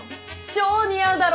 超似合うだろ！